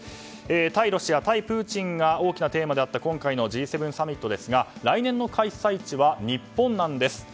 対ロシア、対プーチンが大きなテーマの今回のＧ７サミットですが来年の開催地は日本なんです。